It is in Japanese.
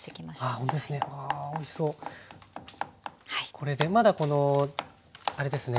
これでまだこのあれですね